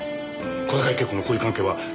小坂井恵子の交友関係はええ